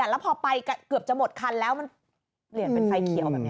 แล้วพอไปเกือบจะหมดคันแล้วมันเปลี่ยนเป็นไฟเขียวแบบนี้